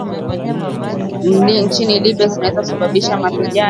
nchini Libya ambazo zinaweza kusababisha mapigano